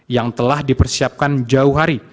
yang telah dipersiapkan jauh hari